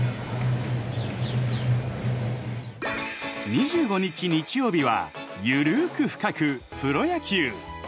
２５日、日曜日は「ゆるく深く！プロ野球」。